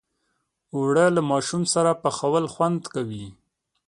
اوړه له ماشوم سره پخول خوند کوي